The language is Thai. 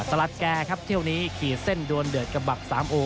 ลัดแก่ครับเที่ยวนี้ขี่เส้นดวนเดือดกระบักสามโอ